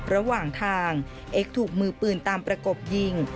ระหว่างทางเอ็กซ์ถูกมือปืนตามประกบยิง